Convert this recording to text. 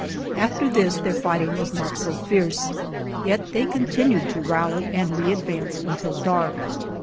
After this their fighting was not so fierce, yet they continued to rally and readvance until dark.